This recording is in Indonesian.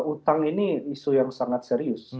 utang ini isu yang sangat serius